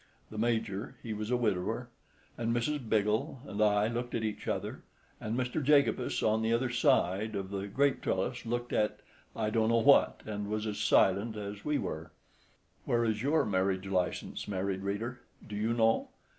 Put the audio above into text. The Major (he was a widower) and Mr. Biggle and I looked at each other; and Mr. Jacobus, on the other side of the grape trellis, looked at—I don't know what—and was as silent as we were. Where is your marriage license, married reader? Do you know?